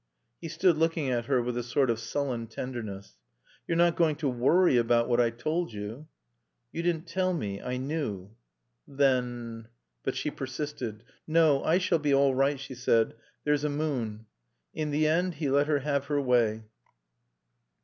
He stood looking at her with a sort of sullen tenderness. "You're not going to worry about what I told you?" "You didn't tell me. I knew." "Then " But she persisted. "No. I shall be all right," she said. "There's a moon." In the end he let her have her way.